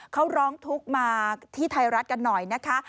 เขาร้องทุกข์มาที่ไทยรัฐกันหน่อยนะคะ